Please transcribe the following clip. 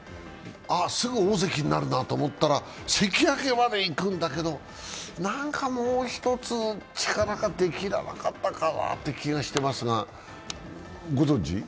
すぐ大関になるなと思ったら関脇までいくんだけど、なんかもう１つ力が出きらなかったかなという気がしてますがご存じ？